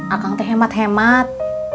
akang teh hemat hemat